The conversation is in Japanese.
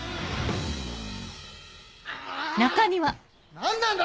何なんだ